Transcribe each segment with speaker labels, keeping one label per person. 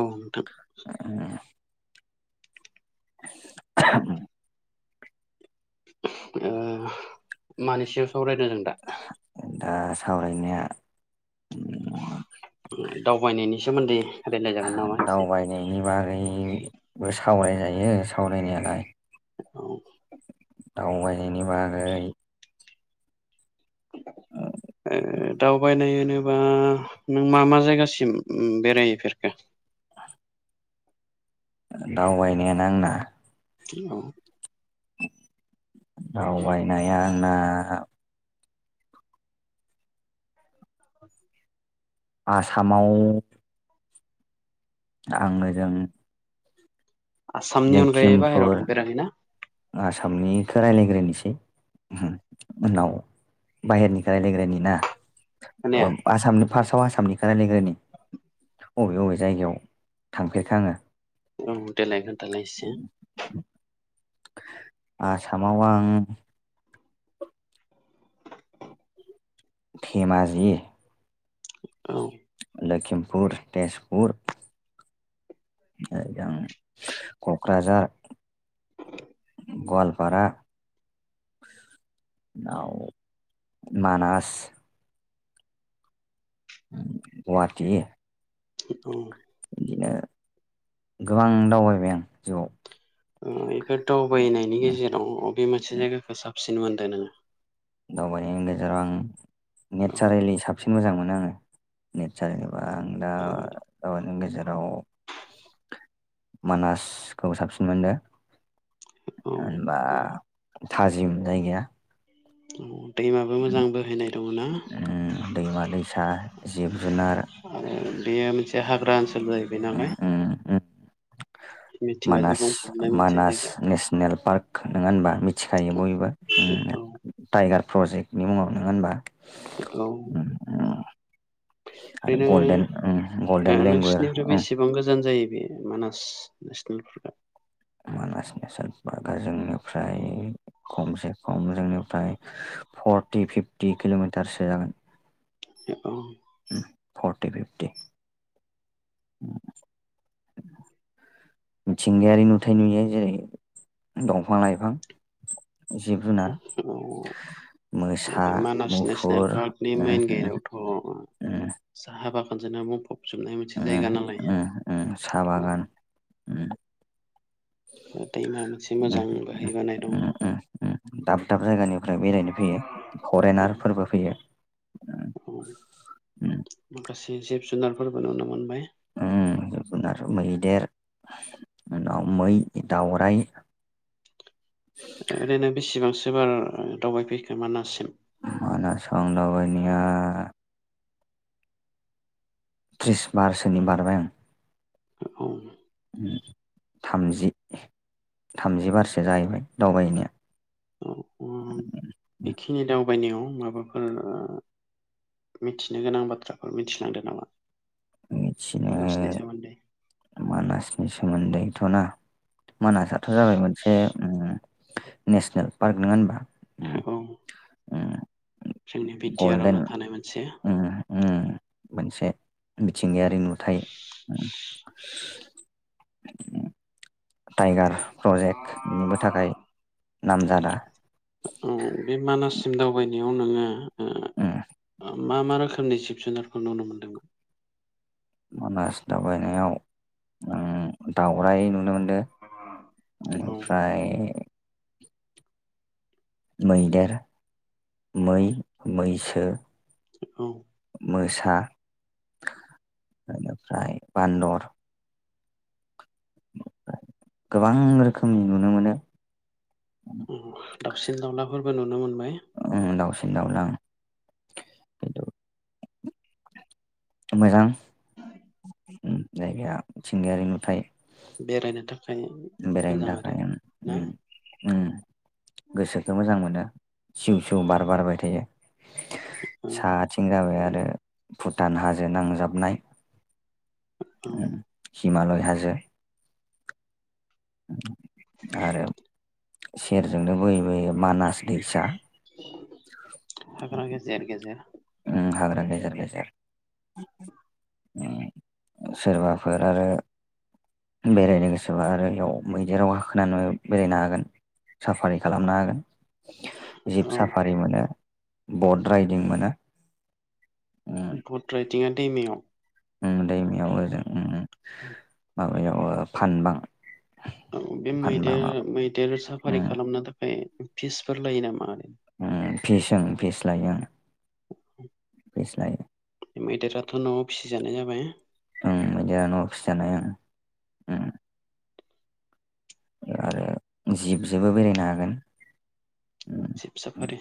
Speaker 1: औ नोंथां
Speaker 2: [unintelligible]
Speaker 1: ओ मानि सायाव सावरायनो जों दा
Speaker 2: दा सावरायनाया ओम
Speaker 1: दावबायनायनि सोमोन्दै रायलायजागोन नामा एसे
Speaker 2: दावबायनायनि बागैबो सावराय जा- यो सावरायनायालाय
Speaker 1: औ
Speaker 2: दावबायनायनि बागै
Speaker 1: दावबायनाय होनोबा नों मा मा जायगासिम बेरायहैफेरखो
Speaker 2: दावबायनायानो आंना
Speaker 1: औ
Speaker 2: दावबायनाया आंना आसामाव आङोजों
Speaker 1: आसामनि अनगायै बाहेरायाव थां फेराखै ना
Speaker 2: आसामनिखौ राय्लायग्रोनोसै उनाव बाहेरनिफाय रायलायग्रायानि ना
Speaker 1: खोनाया
Speaker 2: अ आसामनो फार्सआव आसामनिखौ रायलागोरनि बबे बबे जायगायाव थांफेरखो आङो
Speaker 1: औ देलाय खोन्थालाय एसे
Speaker 2: आसामाव आं धेमाजि
Speaker 1: औ
Speaker 2: लखिमपुर तेजपुर [unintelligible] क'क्राझार गवालपारा मानास गवाटि
Speaker 1: औ
Speaker 2: बिदिनो गोबां दावबायबाय आं जिउआव
Speaker 1: ओ बेफोर दावबायनायनि गेजेराव अबे मोनसे जायगाखौ [unintelligible]
Speaker 2: दावबायनायनि गेजेराव आं
Speaker 1: औ
Speaker 2: नेचारेलि साबसिन मोजां मोनो आङो नेचारेलि आं दा नों गेजेराव मानासखौ साबसिन मोनदों
Speaker 1: औ
Speaker 2: होनबा थाजिम जायगाया
Speaker 1: औ दैमाबो मोजां बोहैनाय दङ ना
Speaker 2: उम दैमा दैसा जिब जुनार
Speaker 1: आरो बेयो मोनसे हाग्रा ओनसोलबो बैनालाय
Speaker 2: उम उम मानास
Speaker 1: मोनसे
Speaker 2: मानास
Speaker 1: जायगा
Speaker 2: नेसनेल पार्क नोङा होनबा मिथिखायो बयबो
Speaker 1: औ
Speaker 2: टाइगार प्रजेक्टनि मुङाव नङा होनबा
Speaker 1: औ
Speaker 2: आरो
Speaker 1: ओरैनो
Speaker 2: गल्डेन उम गल्डेन लेंगुर
Speaker 1: नोंसिनिफ्राय
Speaker 2: उम
Speaker 1: बेसेबां गोजान जायो बेयो मानास नेसनेल पार्कआ
Speaker 2: मानास नेसनेल पार्कआ जोंनिफ्राय खमसे खम जोंनिफ्राय फर्टि फिफ्टि किल'मिटारसो जागोन
Speaker 1: औ
Speaker 2: फर्टि फिफ्टि उम मिथिंगायारि नुथाय नुयो जेरै दंफां लाइफां जिब
Speaker 1: औ
Speaker 2: जुनार मोसा
Speaker 1: नैबे मानास नेसनेल
Speaker 2: मुफुर
Speaker 1: पार्कनि
Speaker 2: उम
Speaker 1: मेन गेटावथ'
Speaker 2: उम
Speaker 1: साहा बा [unintelligible] बुंफबजोबनाय मोनसे जायगा
Speaker 2: उम
Speaker 1: नालाय
Speaker 2: उम उम साहा बागान उम
Speaker 1: दैमा मोनसे
Speaker 2: उम
Speaker 1: मोजां बोहैबोनानाय दङ
Speaker 2: उम उम उम दाब दाब जायगानिफ्राय बेरायनो फैयो फरेनारफोरबो फैयो
Speaker 1: औ
Speaker 2: उम
Speaker 1: माखासे जिब जुनारफोरबो नुनो मोनबाय
Speaker 2: उम जिब जुनार मैदेर उनाव मै दाउराइ
Speaker 1: ओरैनो बेसेबांसो बार दावबायफैखो मानाससिम
Speaker 2: मानासाव दावबायनाया त्रिस बारसोनि बारबाय आं
Speaker 1: औ
Speaker 2: थामजि थामजिबारसो जाहैबाय दावबायनाया
Speaker 1: औ उम बायनायाव माबाफोर ओ मिथिनो गोनां बाथ्राफोर मिथिलांदों नामा
Speaker 2: मिथिनो
Speaker 1: मानासनि सोमोनदै
Speaker 2: मानासनि सोमोन्दै थ'ना मानासाथ' जाबाय मोनसे उम नेसनेल पार्क नङा होनबा उम
Speaker 1: औ
Speaker 2: उम
Speaker 1: जोंनि बि टि आर
Speaker 2: गल्डेन
Speaker 1: आवनो थानाय मोनसे
Speaker 2: उम उम मोनसे मिथिंगायारि नुथाय टाइगार प्रजेक्टनिबो थाखाय नामजादा
Speaker 1: एयाव नोङो ओ
Speaker 2: उम
Speaker 1: मा मा रोखोमनि जिब जुनारफोर नुनो मोनदोंमोन
Speaker 2: मानास दावबायनायाव आं दावराय नुनो मोनदो
Speaker 1: औ
Speaker 2: ओमफ्राय मैदेर मै मैसो
Speaker 1: औ
Speaker 2: था ओनिफ्राय बानदर गोबां रोखोमनि नुनो मोनो
Speaker 1: दाउसिन दाउलाफोरबो नुनो मोनबाय
Speaker 2: दावला ओं खिन्थु मोजां उम जायगाया मिथिंगायारि नुथाय
Speaker 1: बेरायनो थां
Speaker 2: बेरायनो थाखाय आं गोसोखौ मोजां मोनो सिउ सिउ बार बारबाय थायो
Speaker 1: औ
Speaker 2: साथिं जाबाय आरो भुटान हाजो नांजाबनाय
Speaker 1: औ
Speaker 2: उम हिमालय हाजो आरो सेरजोंनो बोयै बोयै मानास दैसा।
Speaker 1: हाग्रा गेजेर गेजेर।
Speaker 2: उम हाग्रा डेंजेर गेजेर। ओम सोरबाफोर आरो। बेरायनो गोसोबा आरो इयाव मैदेराव हाखोनानो बेरायनो हागोन। साफारि खालामनो हागोन। जिब
Speaker 1: औ
Speaker 2: साफारि मोनो बट राइदिं मोनो।
Speaker 1: बुट राइदिंआ दैमायाव।
Speaker 2: ओम दैमायाव ओजों ओम ओम।
Speaker 1: [unintelligible]
Speaker 2: बैयाव ओ फानबां।
Speaker 1: औ बे मैदेर
Speaker 2: फानबाङाव
Speaker 1: मैदेर साफारि
Speaker 2: उम
Speaker 1: खालामनो थाखाय फिसफोर लायो नामा?
Speaker 2: ओम फिसोन फिस लायो ओम फिस लायो।
Speaker 1: मैदेराथ' न'आव फिसिजानाय जाबाय।
Speaker 2: ओं मैदेरा न'आव फिसि जानाय ओं ओम। आरो जिबजोबो बेरायनो हागोन। उम
Speaker 1: सजब
Speaker 2: उम
Speaker 1: साफारि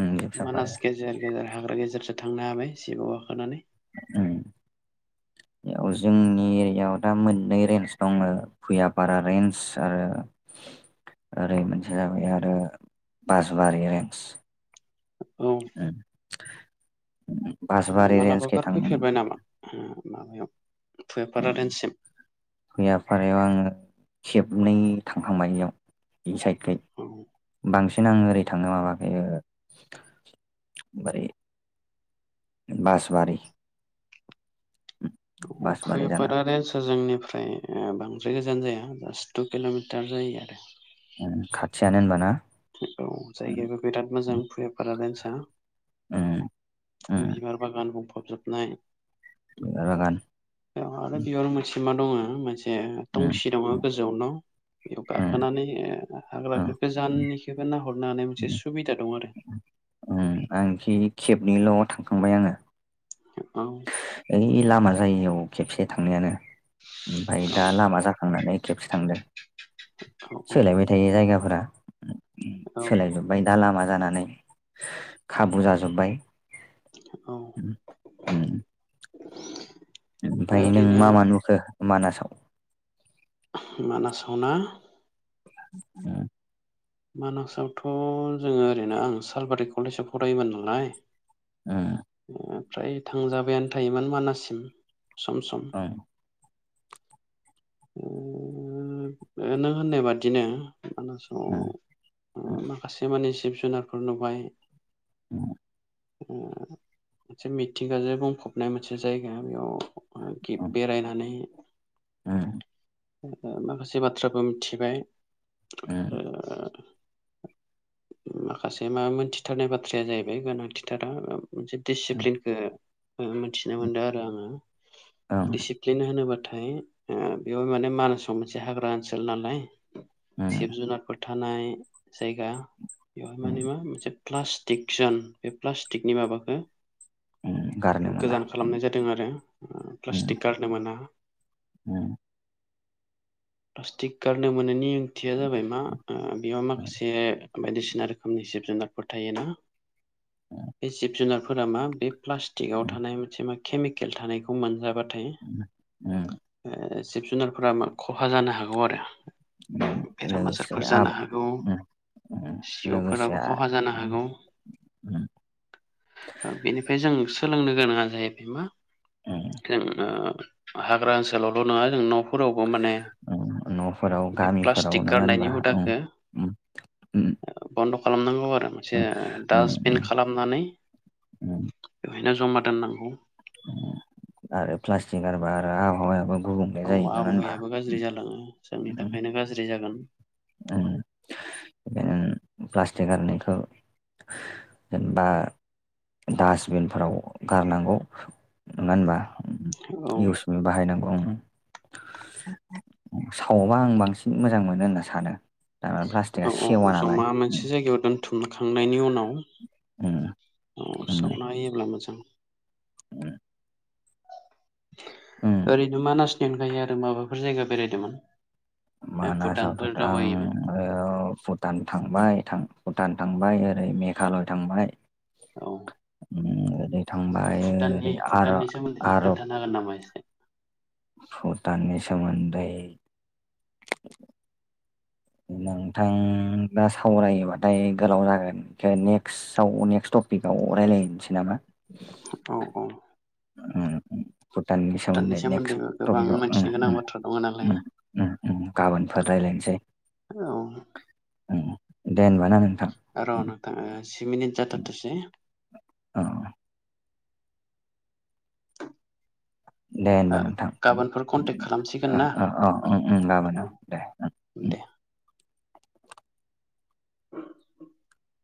Speaker 2: उम जिब साफारि
Speaker 1: मानास गेजेर गेजेर हाग्रा गेजेरजों। थांनो हाबाय सिगाङाव गाखोनानै।
Speaker 2: एह [unintelligible] औ जोंनि एरियाव दा मोननै रेन्ज दङो भुयापारा रेन्ज ओ। ओरै मोनसे जाबाय आरो बाजबारि रेन्ज।
Speaker 1: औ।
Speaker 2: बासबारि रेन्जखै
Speaker 1: मालाबाफोर
Speaker 2: थांदोंमोन
Speaker 1: फैफेरबाय नामा ओं माबायाव। भुयापारा रेन्जसिम
Speaker 2: भैयाफारायाव आङो खेब। हनै थांखांबाय इयाव इसाइड।
Speaker 1: औ।
Speaker 2: बांसिन आंङो ओरै थाङो माबाखै ओ बोरै। बासबारि। बासबारि जाना
Speaker 1: फैपारारे सोरजोंनिफ्रा। फ्राय ओ बांद्राय गोजान जाया जास्ट टु किल'मिटार जायो आरो।
Speaker 2: खाथियानो होनबाना।
Speaker 1: औ जायगायाबो बिराद मोजां फुफारा रेन्सा।
Speaker 2: उम उम
Speaker 1: बिबार बागान बुंफबजोबनाय।
Speaker 2: बिबार बागान।
Speaker 1: बेयाव आरो बेयाव मोनसे मा दङ मोनसे टंसि दङो। गोजौनो बेयाव गाखोनानै ओ हाग्रानि गोजाननि। [unintelligible] हरनो हानाय मोनसे सुबिदा दं आरो।
Speaker 2: ओं आंखि खेबनिल' थांखांबाय आङो।
Speaker 1: औ
Speaker 2: ओइ लामा जायियाव खेबसे थांनायानो। ओमफाय दा
Speaker 1: औ
Speaker 2: लामा जाखांनानै खेबसे थांदों।
Speaker 1: औ
Speaker 2: सोलायबाय थायो जायगाफोरा।
Speaker 1: औ
Speaker 2: सोलायजोब्बाय दा लामा जानानै खाबु जाजोब्बाय।
Speaker 1: औ।
Speaker 2: उम [unintelligible] ओमफाय नों
Speaker 1: ओरैनो
Speaker 2: मा मा नुखो मानासाव?
Speaker 1: मानासाव ना!
Speaker 2: उम
Speaker 1: मानासावथ' जोङो ओरैनो आं सालबारि कलेजाव फरायोमोन नालाय।
Speaker 2: उम
Speaker 1: आ फ्राय थांजाबायानो थायोमोन मानाससिम सम सम।
Speaker 2: उम
Speaker 1: ओ नों होननाय बादिनो मानासाव ओ माखासे माने जिब जुनारफोर नुबाय
Speaker 2: [inaudible]
Speaker 1: ओ मोनसे मिथिंगाजों बुंफबनाय मोनसे जायगा बेयाव ओ गि
Speaker 2: उम
Speaker 1: बेरायनानै ओ माखासे बाथ्राबो मिथिबाय
Speaker 2: उम
Speaker 1: ओ
Speaker 2: उम
Speaker 1: माखासे मा मोनथिथारनाय बाथ्राया जाहैबाय गोनांथिथारा ओ मोनसे दिसिप्लिनखो ओ मोनथिनो मोनदों आरो आङो
Speaker 2: ओं
Speaker 1: दिसिप्लिन होनोबा थाय ओ बेयाव माने मानासाव मोनसे हाग्रा ओनसोल नालाय
Speaker 2: उम
Speaker 1: जिब जुनादफोर थानाय जायगा बेवहाय
Speaker 2: उम
Speaker 1: माने मा मोनसे प्लास्टिक जोन बे प्लास्टिकनि माबाखो
Speaker 2: उम गारनो मोना
Speaker 1: गोजान
Speaker 2: उम
Speaker 1: खालामनाय जादों आरो ओ प्लास्टिक गारनो मोना।
Speaker 2: उम
Speaker 1: प्लास्टिक गारनो मोनैनि ओंथिया जाबाय मा बेयाव
Speaker 2: उम
Speaker 1: माखासे बायदिसिना रोखोमनि जिब जुनारफोर थायोना बे जिब जुनारफो फोरा मा बे प्लास्टिकआव
Speaker 2: उम
Speaker 1: थानाय मोनसे मा केमिकेल थानायखौ मोनजाबा
Speaker 2: [unintelligible] उम
Speaker 1: ओ जिब जुनारफोरा मा खहा जानो हागौ आरो।
Speaker 2: उम
Speaker 1: बेराम
Speaker 2: लोगोसे
Speaker 1: आजारफोर जानो
Speaker 2: आबा
Speaker 1: हागौ।
Speaker 2: उम उम लोगोसे
Speaker 1: जिउफोराबो खहा जानो
Speaker 2: उम
Speaker 1: हागौ।
Speaker 2: उम
Speaker 1: ओ बेनिफाय जों सोलोंनो गोनाङा जाहैबाय मा
Speaker 2: उम
Speaker 1: खोन ओ हाग्रा ओनसोलावल' नोङा जों न'फोरावबो माने
Speaker 2: उम न'फोराव
Speaker 1: बे
Speaker 2: गामिफोराव
Speaker 1: प्लास्टिक
Speaker 2: नोङा
Speaker 1: गारनायनि
Speaker 2: होनबा उम
Speaker 1: हुदाखौ
Speaker 2: उम उम
Speaker 1: बन्द' खालामनांगौ आरो मोनसे
Speaker 2: उम
Speaker 1: डास्टबिन
Speaker 2: उम
Speaker 1: खालामनानै
Speaker 2: उम
Speaker 1: नो जमा दोननांगौ।
Speaker 2: आरो प्लास्टिक गारोबा आरो आबहावायाबो गुबुंले
Speaker 1: औ
Speaker 2: जायो नङा होनबा
Speaker 1: आबहावायाबो गाज्रि जालाङो जोंनि थाखायनो गाज्रि जागोन। [inaudible]
Speaker 2: नों प्लास्टिक गारारनायखौ जेनबा डासबिनफोराव गारनांगौ नोङा होनबा
Speaker 1: औ
Speaker 2: उम इउस मि बाहायनांगौ उम। सावबा आं बांसिन मोजां मोनो होनना सानो। थारमाने प्लास्टिकआ
Speaker 1: औ
Speaker 2: सेवा
Speaker 1: औ
Speaker 2: नालाय
Speaker 1: जमा मोनसे जायगायाव दोनथुमखांनायनि उनाव
Speaker 2: उम
Speaker 1: औ सावना होयोब्ला मोजां।
Speaker 2: उम
Speaker 1: ओरैनो मानासनि अनगायै आरो माबाफोर जायगा बेरायदोमोन?
Speaker 2: मानासावथ'थ आं ओ औ भुटान थांबाय थां भुटान थां बाय ओरै मेघालय थांबाय
Speaker 1: औ
Speaker 2: उम ओरै थांबाय
Speaker 1: भुटाननि
Speaker 2: ओरै आर
Speaker 1: भुटाननि सोमोन्दै
Speaker 2: आरब
Speaker 1: खोन्थानो हागोन नामा एसे?
Speaker 2: भुटाननि सोमोन्दै नोंथां दा सावरायोबाथाय गोलाव जागोन नेक्साव नेक्स ट- टपिकआव रायलायनोसै नामा
Speaker 1: औ औ
Speaker 2: उम उम भुटाननि सोमोन्दै नेक्स्ट
Speaker 1: सोमोन्दैबो गोबां
Speaker 2: टपिकआव उम
Speaker 1: मिथिनो गोनां
Speaker 2: उम
Speaker 1: बाथ्रा दङ नालाय
Speaker 2: उम उम उम गाबोनफोर रायलाय- फोनसेै
Speaker 1: औ
Speaker 2: दे होनबा ना नोंथां
Speaker 1: र'नोंथां ओ जि मिनित जाथारथोंसै
Speaker 2: औ दे होनबा नोंथां
Speaker 1: [inaudible] गाबोनफोर कन्टेक्ट खालामसिगोन ना
Speaker 2: औ औ गाबोन
Speaker 1: औ
Speaker 2: दे उम।
Speaker 1: दे [inaudible]